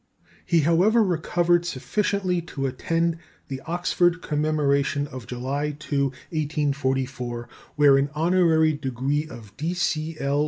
He, however, recovered sufficiently to attend the Oxford Commemoration of July 2, 1844, where an honorary degree of D.C.L.